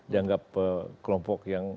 dianggap kelompok yang